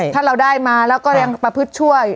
ถ้าเราได้มาแล้วก็แรงประพฤติช่วย